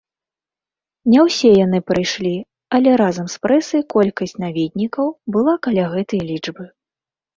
Не ўсе яны прыйшлі, але разам з прэсай колькасць наведнікаў была каля гэтай лічбы.